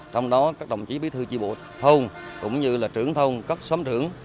trong đó các đồng chí bí thư tri bộ thông cũng như là trưởng thông các xóm trưởng